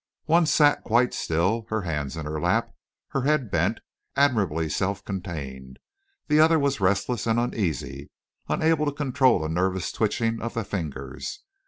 One sat quite still, her hands in her lap, her head bent, admirably self contained; the other was restless and uneasy, unable to control a nervous twitching of the fingers.